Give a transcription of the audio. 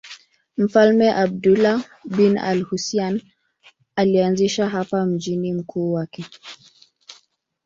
Mfalme Abdullah bin al-Husayn alianzisha hapa mji mkuu wake.